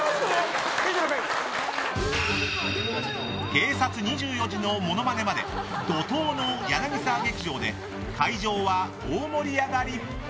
「警察２４時」のモノマネまで怒涛の柳沢劇場で会場は大盛り上がり。